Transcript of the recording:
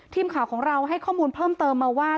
ทีมข่าวของเราให้ข้อมูลเพิ่มเติมมาว่า